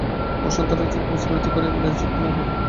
বসন্ত রায় চক্ষু বিস্ফারিত করিয়া কহিলেন, সত্য নাকি?